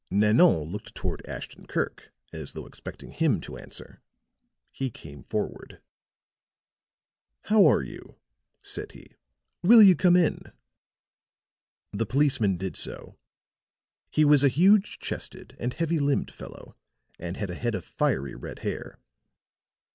Nanon looked toward Ashton Kirk as though expecting him to answer; he came forward. "How are you?" said he. "Will you come in?" The policeman did so. He was a huge chested and heavy limbed fellow, and had a head of fiery red hair.